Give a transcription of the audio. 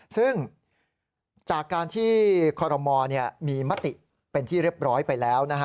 ซึ่งจากการที่คอรมอลมีมติเป็นที่เรียบร้อยไปแล้ว